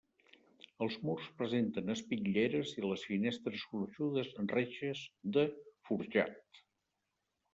Els murs presenten espitlleres i les finestres gruixudes reixes de forjat.